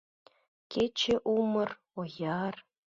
Кече умыр, ояр.